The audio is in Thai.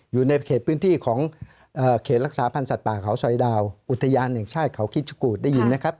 อยู่ในเขตพื้นที่ของเขตรักษาพันธ์สัตว์ป่าเขาซอยดาวอุทยานแห่งชาติเขาคิดชะกูดได้ยินไหมครับ